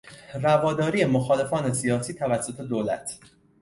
رواداری مخالفان سیاسی توسط دولت